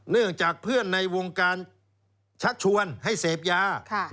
เนื่องจากเพื่อนในวงการชักชวนให้เสพยา